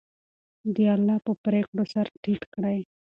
د الله په پرېکړو سر ټیټ کړئ.